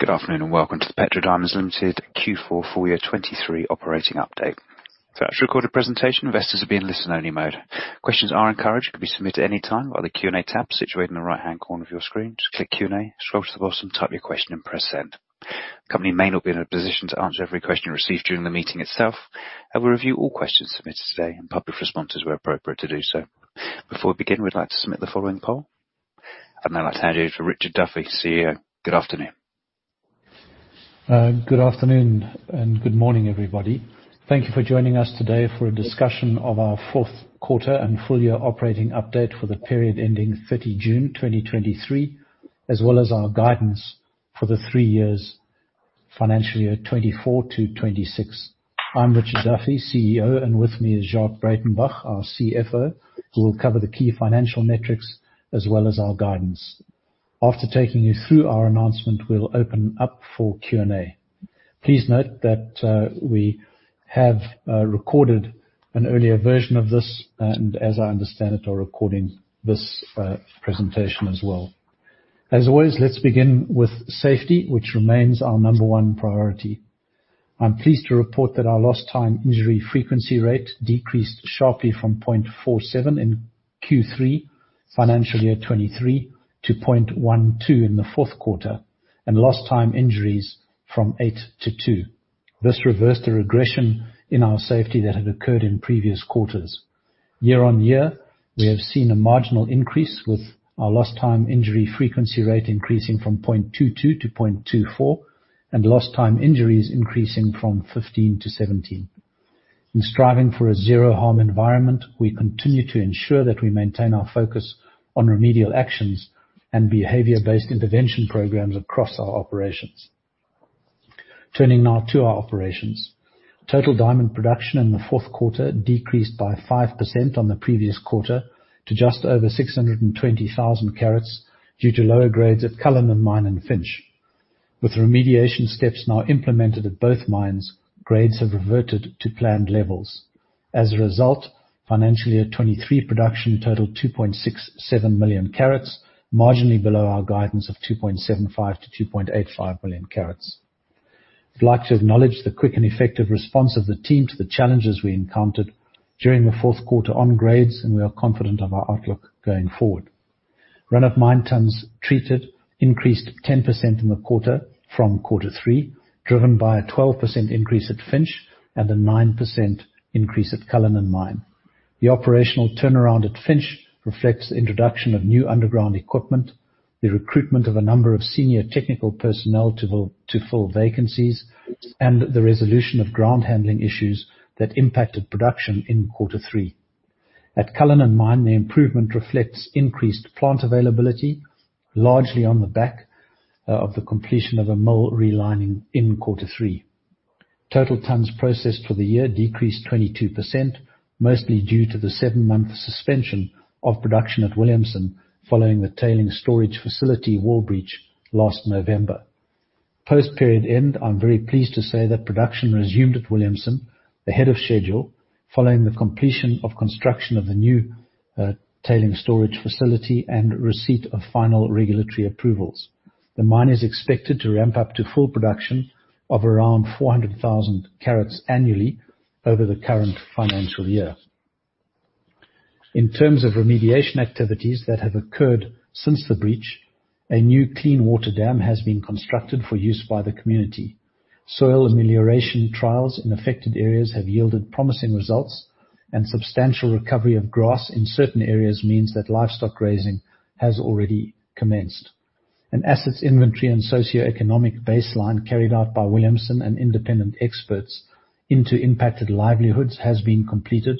Good afternoon, welcome to the Petra Diamonds Limited Q4 full year 2023 operating update. For our recorded presentation, investors will be in listen-only mode. Questions are encouraged, can be submitted at any time by the Q&A tab situated in the right-hand corner of your screen. Just click Q&A, scroll to the bottom, type your question, and press Send. The company may not be in a position to answer every question received during the meeting itself. We review all questions submitted today and publish responses where appropriate to do so. Before we begin, we'd like to submit the following poll. Then I'd hand you to Richard Duffy, CEO. Good afternoon. Good afternoon, and good morning, everybody. Thank you for joining us today for a discussion of our fourth quarter and full year operating update for the period ending 30 June 2023, as well as our guidance for the 3 years financial year 2024 to 2026. I'm Richard Duffy, CEO, and with me is Jacques Breytenbach, our CFO, who will cover the key financial metrics as well as our guidance. After taking you through our announcement, we'll open up for Q&A. Please note that we have recorded an earlier version of this, and as I understand it, are recording this presentation as well. As always, let's begin with safety, which remains our number one priority. I'm pleased to report that our lost time injury frequency rate decreased sharply from 0.47 in Q3, financial year 2023, to 0.12 in the fourth quarter, and lost time injuries from eight to two. This reversed the regression in our safety that had occurred in previous quarters. Year-on-year, we have seen a marginal increase with our lost time injury frequency rate increasing from 0.22 to 0.24, and lost time injuries increasing from 15 to 17. In striving for a zero-harm environment, we continue to ensure that we maintain our focus on remedial actions and behavior-based intervention programs across our operations. Turning now to our operations. Total diamond production in the fourth quarter decreased by 5% on the previous quarter to just over 620,000 carats, due to lower grades at Cullinan Mine and Finsch. With remediation steps now implemented at both mines, grades have reverted to planned levels. As a result, financially at 2023, production totaled 2.67 million carats, marginally below our guidance of 2.75 million-2.85 million carats. We'd like to acknowledge the quick and effective response of the team to the challenges we encountered during the fourth quarter on grades, and we are confident of our outlook going forward. Run-of-mine tonnes treated increased 10% in the quarter from quarter three, driven by a 12% increase at Finsch and a 9% increase at Cullinan Mine. The operational turnaround at Finsch reflects the introduction of new underground equipment, the recruitment of a number of senior technical personnel to fill vacancies, and the resolution of ground handling issues that impacted production in quarter three. At Cullinan Mine, the improvement reflects increased plant availability, largely on the back of the completion of a mill relining in quarter three. Total tonnes processed for the year decreased 22%, mostly due to the 7-month suspension of production at Williamson, following the Tailings Storage Facility wall breach last November. Post-period end, I'm very pleased to say that production resumed at Williamson ahead of schedule, following the completion of construction of the new Tailings Storage Facility and receipt of final regulatory approvals. The mine is expected to ramp up to full production of around 400,000 carats annually over the current financial year. In terms of remediation activities that have occurred since the breach, a new clean water dam has been constructed for use by the community. Soil amelioration trials in affected areas have yielded promising results. Substantial recovery of grass in certain areas means that livestock grazing has already commenced. An assets inventory and socioeconomic baseline carried out by Williamson and independent experts into impacted livelihoods has been completed,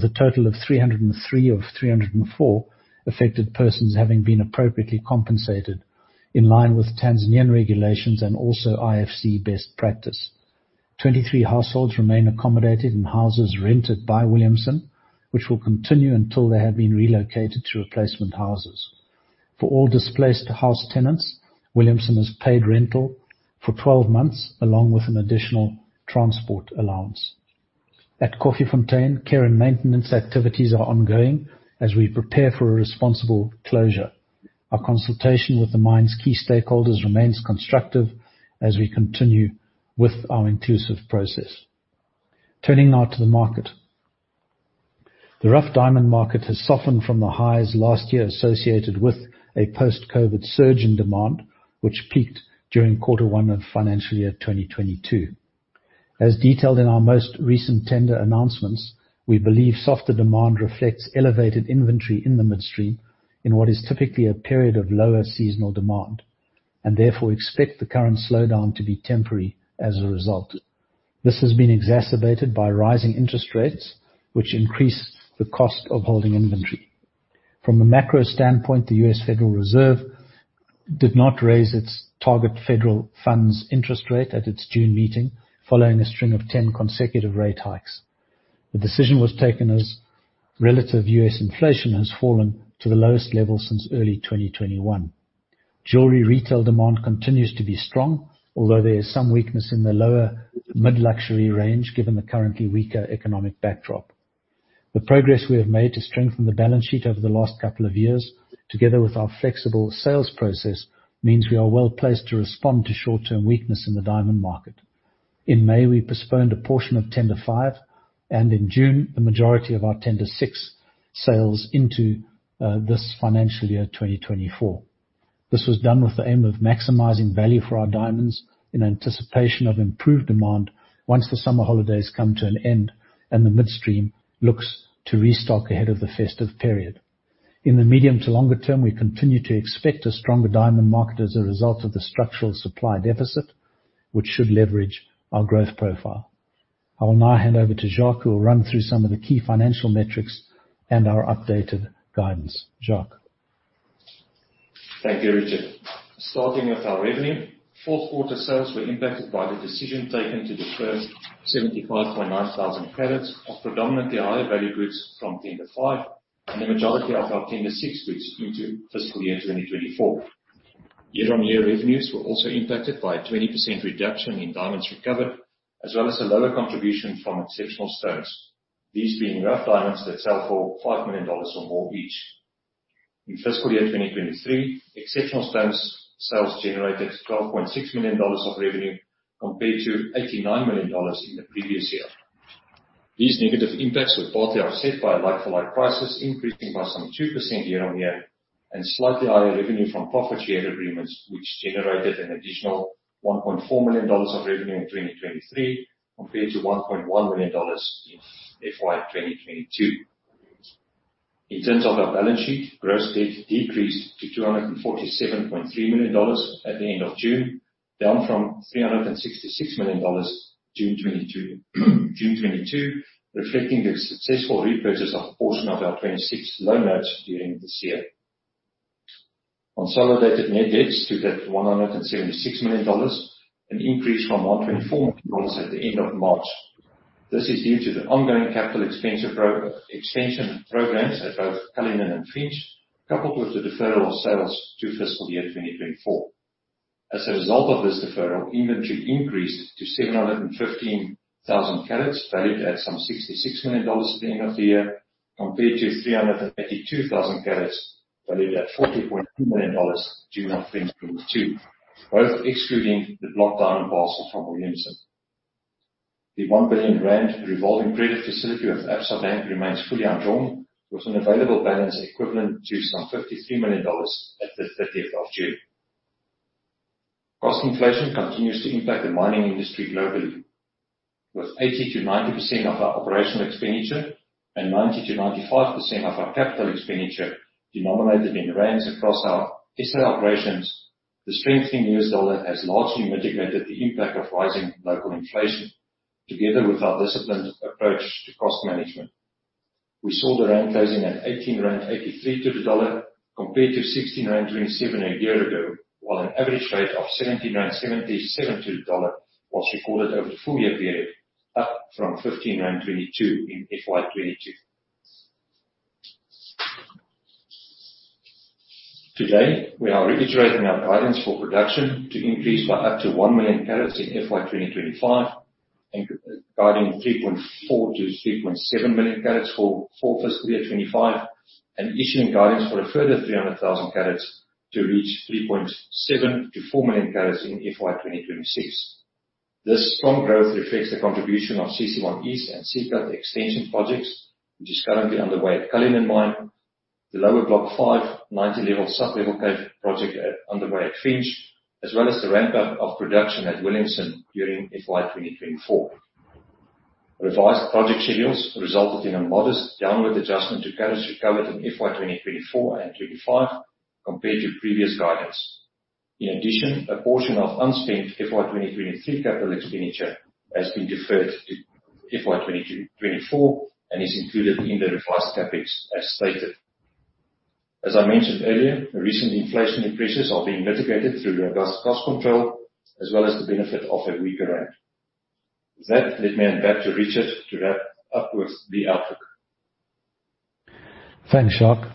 with a total of 303 of 304 affected persons having been appropriately compensated, in line with Tanzanian regulations and also IFC best practice. 23 households remain accommodated in houses rented by Williamson, which will continue until they have been relocated to replacement houses. For all displaced house tenants, Williamson has paid rental for 12 months, along with an additional transport allowance. At Koffiefontein, care and maintenance activities are ongoing as we prepare for a responsible closure. Our consultation with the mine's key stakeholders remains constructive as we continue with our inclusive process. Turning now to the market. The rough diamond market has softened from the highs last year associated with a post-COVID surge in demand, which peaked during quarter one of financial year 2022. As detailed in our most recent tender announcements, we believe softer demand reflects elevated inventory in the midstream, in what is typically a period of lower seasonal demand, and therefore expect the current slowdown to be temporary as a result. This has been exacerbated by rising interest rates, which increase the cost of holding inventory. From a macro standpoint, the U.S. Federal Reserve did not raise its target federal funds interest rate at its June meeting, following a string of 10 consecutive rate hikes. The decision was taken as relative U.S. inflation has fallen to the lowest level since early 2021. Jewelry retail demand continues to be strong, although there is some weakness in the lower mid-luxury range, given the currently weaker economic backdrop. The progress we have made to strengthen the balance sheet over the last couple of years, together with our flexible sales process, means we are well-placed to respond to short-term weakness in the diamond market. In May, we postponed a portion of Tender 5, and in June, the majority of our Tender 6 sales into this financial year, 2024. This was done with the aim of maximizing value for our diamonds in anticipation of improved demand once the summer holidays come to an end and the midstream looks to restock ahead of the festive period. In the medium to longer term, we continue to expect a stronger diamond market as a result of the structural supply deficit, which should leverage our growth profile. I will now hand over to Jacques, who will run through some of the key financial metrics and our updated guidance. Jacques. Thank you, Richard. Starting with our revenue, fourth quarter sales were impacted by the decision taken to defer 75.9 thousand carats of predominantly higher value goods from Tender 5, and the majority of our Tender 6 goods into fiscal year 2024. Year-on-year revenues were also impacted by a 20% reduction in diamonds recovered, as well as a lower contribution from exceptional stones, these being rough diamonds that sell for $5 million or more each. In fiscal year 2023, exceptional stones sales generated $12.6 million of revenue, compared to $89 million in the previous year. These negative impacts were partly offset by like-for-like prices, increasing by some 2% year-on-year, and slightly higher revenue from profit share agreements, which generated an additional $1.4 million of revenue in 2023, compared to $1.1 million in FY 2022. In terms of our balance sheet, gross debt decreased to $247.3 million at the end of June, down from $366 million, June 2022, reflecting the successful repurchase of a portion of our 2026 Loan Notes during the year. Consolidated net debt stood at $176 million, an increase from $124 million at the end of March. This is due to the ongoing capital expensive pro- extension programs at both Cullinan and Finsch, coupled with the deferral of sales to fiscal year 2024. As a result of this deferral, inventory increased to 715,000 carats, valued at some $66 million at the end of the year, compared to 382,000 carats, valued at $40.2 million, June of 2022, both excluding the blocked diamond parcel from Williamson. The 1 billion rand revolving credit facility with Absa Bank remains fully undrawn, with an available balance equivalent to some $53 million at the 30th of June. Cost inflation continues to impact the mining industry globally, with 80%-90% of our OpEx and 90%-95% of our CapEx denominated in rands across our SA operations. The strengthening U.S. dollar has largely mitigated the impact of rising local inflation, together with our disciplined approach to cost management. We saw the rand closing at 18.83 rand to the dollar, compared to 16.27 rand a year ago, while an average rate of 17.77 rand to the dollar was recorded over the full year period, up from 15.22 rand in FY 2022. Today, we are reiterating our guidance for production to increase by up to 1 million carats in FY 2025, and guiding 3.4 million-3.7 million carats for full fiscal year 2025, and issuing guidance for a further 300,000 carats to reach 3.7 million-4 million carats in FY 2026. This strong growth reflects the contribution of CC1 East and C-Cut Extension projects, which is currently underway at Cullinan Mine, the Lower Block 5, 90-level sublevel cave project underway at Finsch, as well as the ramp-up of production at Williamson during FY 2024. Revised project schedules resulted in a modest downward adjustment to carats recovered in FY 2024 and 2025 compared to previous guidance. A portion of unspent FY 2023 capital expenditure has been deferred to FY 2024, and is included in the revised CapEx, as stated. As I mentioned earlier, recent inflationary pressures are being mitigated through robust cost control, as well as the benefit of a weaker rand. Let me hand back to Richard to wrap up with the outlook. Thanks, Jacques.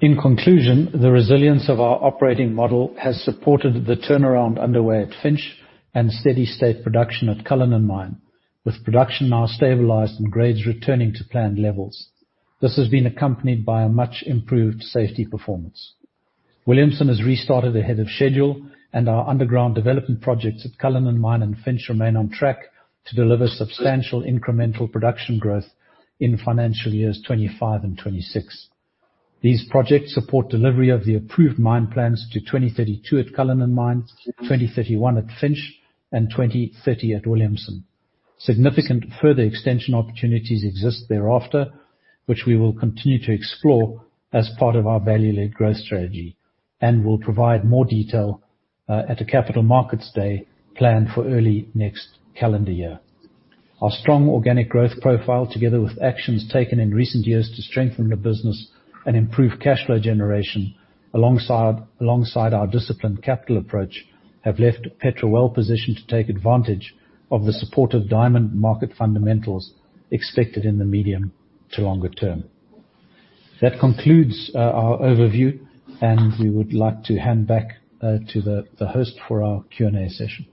In conclusion, the resilience of our operating model has supported the turnaround underway at Finsch and steady state production at Cullinan Mine, with production now stabilized and grades returning to planned levels. This has been accompanied by a much improved safety performance. Williamson has restarted ahead of schedule, and our underground development projects at Cullinan Mine and Finsch remain on track to deliver substantial incremental production growth in financial years 2025 and 2026. These projects support delivery of the approved mine plans to 2032 at Cullinan Mine, 2031 at Finsch, and 2030 at Williamson. Significant further extension opportunities exist thereafter, which we will continue to explore as part of our value-led growth strategy, and we'll provide more detail at the Capital Markets Day planned for early next calendar year. Our strong organic growth profile, together with actions taken in recent years to strengthen the business and improve cash flow generation, alongside our disciplined capital approach, have left Petra well positioned to take advantage of the supportive diamond market fundamentals expected in the medium to longer term. That concludes our overview, and we would like to hand back to the host for our Q&A session.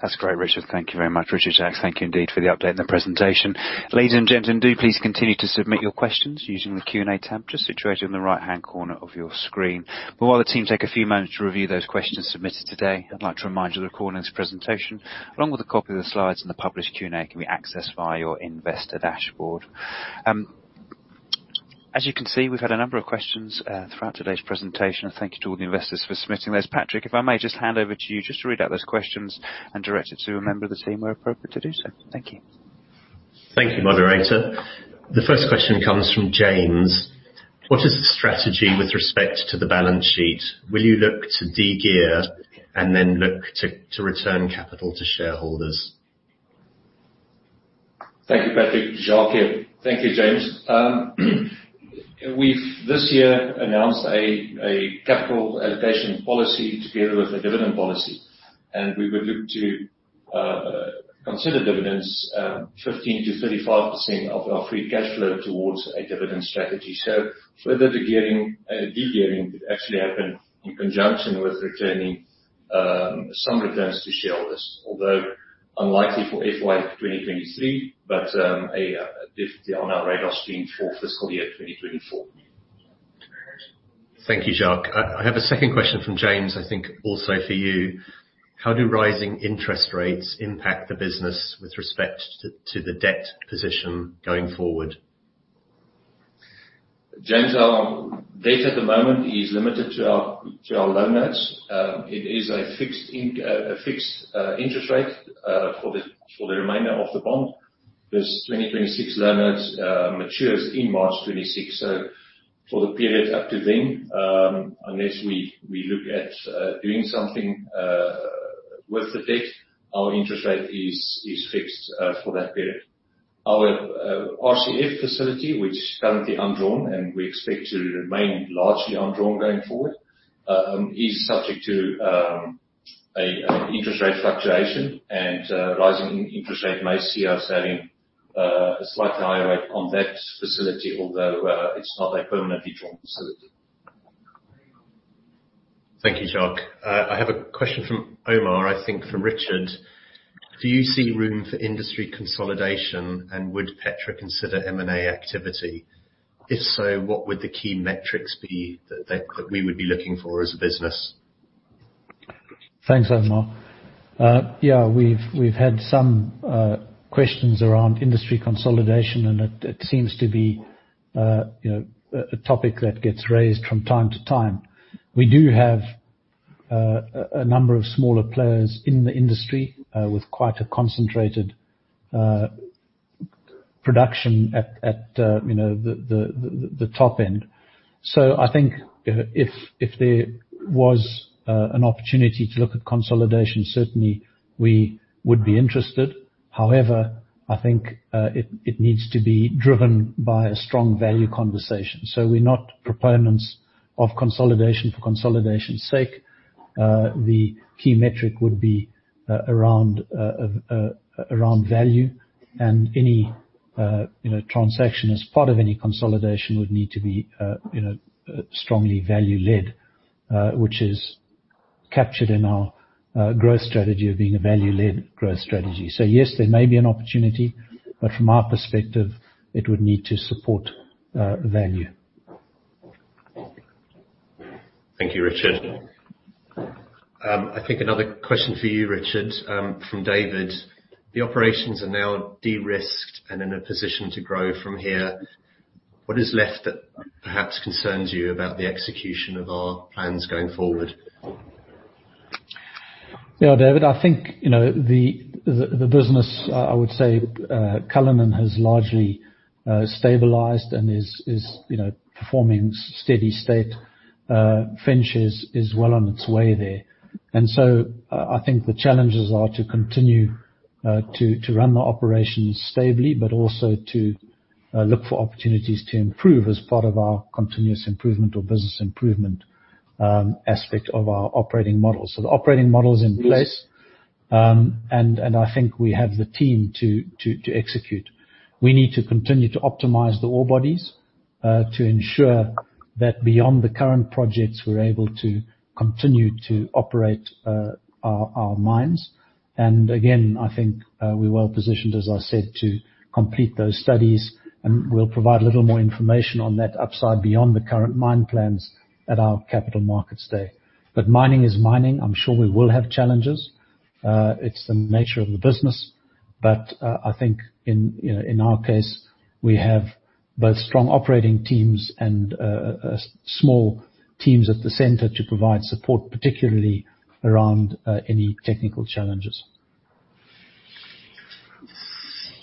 That's great, Richard. Thank you very much. Richard, Jacques, thank you indeed for the update and the presentation. Ladies and gentlemen, do please continue to submit your questions using the Q&A tab just situated in the right-hand corner of your screen. While the team take a few moments to review those questions submitted today, I'd like to remind you the recording of this presentation, along with a copy of the slides and the published Q&A, can be accessed via your investor dashboard. As you can see, we've had a number of questions throughout today's presentation. Thank you to all the investors for submitting those. Patrick, if I may just hand over to you just to read out those questions and direct it to a member of the team where appropriate to do so. Thank you. Thank you, moderator. The first question comes from James: What is the strategy with respect to the balance sheet? Will you look to de-gear and then look to return capital to shareholders? Thank you, Patrick. Jacques here. Thank you, James. We've this year announced a capital allocation policy together with a dividend policy. We would look to consider dividends, 15%-35% of our free cash flow towards a dividend strategy. Further to gearing, de-gearing could actually happen in conjunction with returning some returns to shareholders, although unlikely for FY 2023. Definitely on our radar screen for fiscal year 2024. Thank you, Jacques. I have a second question from James, I think also for you. How do rising interest rates impact the business with respect to the debt position going forward? James, our debt at the moment is limited to our Loan Notes. It is a fixed interest rate for the remainder of the bond. This 2026 Loan Notes matures in March 2026. For the period up to then, unless we look at doing something with the debt, our interest rate is fixed for that period. Our RCF facility, which is currently undrawn, and we expect to remain largely undrawn going forward, is subject to an interest rate fluctuation, and rising interest rate may see us having a slightly higher rate on that facility, although it's not a permanently drawn facility. Thank you, Jacques. I have a question from Omar, I think for Richard. Do you see room for industry consolidation, and would Petra consider M&A activity? If so, what would the key metrics be that we would be looking for as a business? Thanks, Omar. Yeah, we've had some questions around industry consolidation, and it seems to be, you know, a topic that gets raised from time to time. We do have a number of smaller players in the industry, with quite a concentrated production at, you know, the top end. I think, if there was an opportunity to look at consolidation, certainly we would be interested. However, I think, it needs to be driven by a strong value conversation. We're not proponents of consolidation for consolidation's sake. The key metric would be around value, and any, you know, transaction as part of any consolidation would need to be, you know, strongly value-led, which is captured in our growth strategy of being a value-led growth strategy. Yes, there may be an opportunity, but from our perspective, it would need to support value. Thank you, Richard. I think another question for you, Richard, from David. The operations are now de-risked and in a position to grow from here. What is left that perhaps concerns you about the execution of our plans going forward? Yeah, David, I think, you know, the business, I would say, Cullinan has largely stabilized and is, you know, performing steady state. Finsch is well on its way there. I think the challenges are to continue to run the operations stably, but also to look for opportunities to improve as part of our continuous improvement or business improvement aspect of our operating model. The operating model is in place, and I think we have the team to execute. We need to continue to optimize the ore bodies to ensure that beyond the current projects, we're able to continue to operate our mines. Again, I think, we're well positioned, as I said, to complete those studies, and we'll provide a little more information on that upside beyond the current mine plans at our Capital Markets Day. Mining is mining. I'm sure we will have challenges. It's the nature of the business, but, I think in, you know, in our case, we have both strong operating teams and, small teams at the center to provide support, particularly around any technical challenges.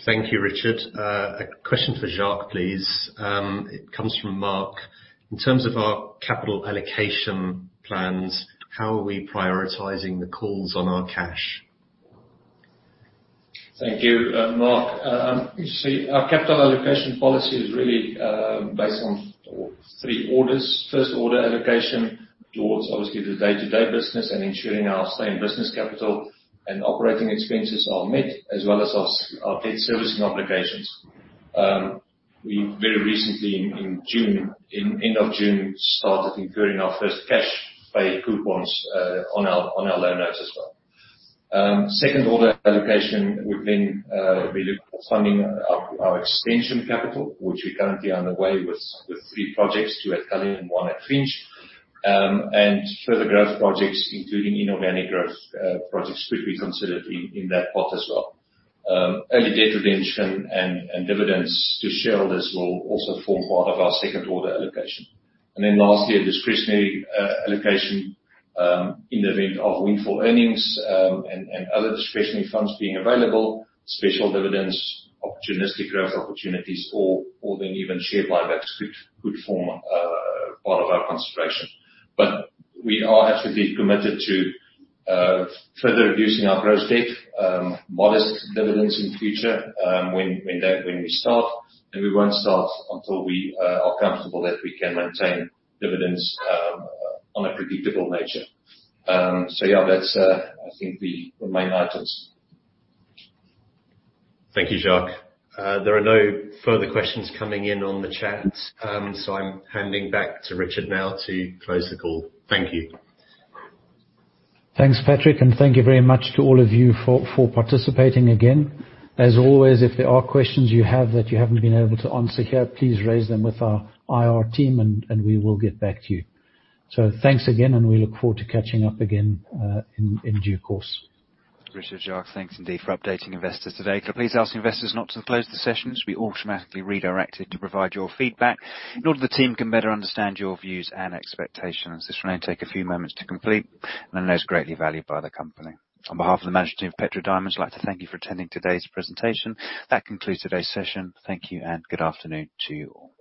Thank you, Richard. A question for Jacques, please. It comes from Mark. In terms of our capital allocation plans, how are we prioritizing the calls on our cash? Thank you, Mark. You see, our capital allocation policy is really based on three orders. First order allocation towards obviously the day-to-day business and ensuring our stay in business capital... and operating expenses are met, as well as our debt servicing obligations. We very recently in June, in end of June, started incurring our first cash pay coupons on our 2026 Loan Notes as well. Second order allocation, we've been, we look at funding our expansion capital, which we're currently underway with three projects, two at Cullinan, one at Finsch. Further growth projects, including inorganic growth projects, could be considered in that pot as well. Early debt redemption and dividends to shareholders will also form part of our second order allocation. Then lastly, a discretionary allocation, in the event of windfall earnings, and other discretionary funds being available, special dividends, opportunistic growth opportunities or then even share buybacks could form part of our consideration. We are absolutely committed to further reducing our gross debt, modest dividends in future, when we start, and we won't start until we are comfortable that we can maintain dividends on a predictable nature. Yeah, that's, I think the main items. Thank you, Jacques. There are no further questions coming in on the chat. I'm handing back to Richard now to close the call. Thank you. Thanks, Patrick, and thank you very much to all of you for participating again. As always, if there are questions you have that you haven't been able to answer here, please raise them with our IR team and we will get back to you. Thanks again, and we look forward to catching up again in due course. Richard, Jacques, thanks indeed for updating investors today. Could I please ask investors not to close the session, as you will be automatically redirected to provide your feedback in order the team can better understand your views and expectations. This will only take a few moments to complete and is greatly valued by the company. On behalf of the management team of Petra Diamonds, I'd like to thank you for attending today's presentation. That concludes today's session. Thank you and good afternoon to you all.